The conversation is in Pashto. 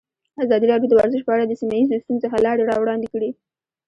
ازادي راډیو د ورزش په اړه د سیمه ییزو ستونزو حل لارې راوړاندې کړې.